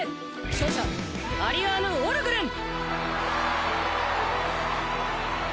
勝者アリアーヌ＝オルグレン！